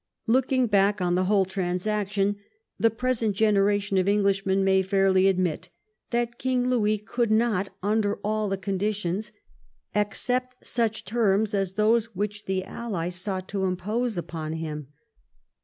Looking back on the whole transaction, the present generation of Englishmen may fairly admit that King Louis could not, under all the conditions, accept such terms as those which the allies sought to impose upon him.